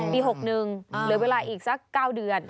ปีหกหนึ่งเหลือเวลาอีกสักเก้าเดือน